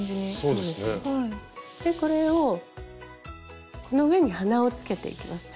でこれをこの上に鼻をつけていきます。